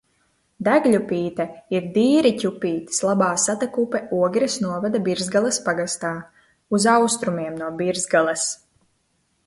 Degļupīte ir Dīriķupītes labā satekupe Ogres novada Birzgales pagastā, uz austrumiem no Birzgales.